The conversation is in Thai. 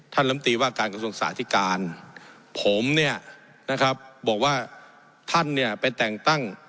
ลำตีว่าการกระทรวงสาธิการผมเนี่ยนะครับบอกว่าท่านเนี่ยไปแต่งตั้ง